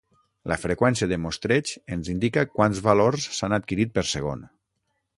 La freqüència de mostreig ens indica quants valors s'han adquirit per segon.